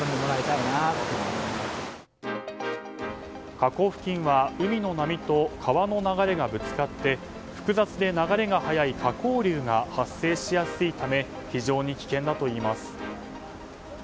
河口付近は海の波と川の流れがぶつかって複雑で流れが速い河口流が発生しやすいため非常に危険だといいます。